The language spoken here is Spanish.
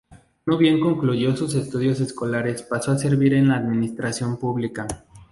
No bien concluyó sus estudios escolares pasó a servir en la administración pública.